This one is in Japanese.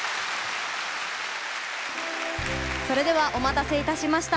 それではお待たせいたしました。